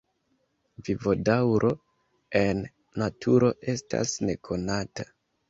Vivodaŭro en naturo estas nekonata.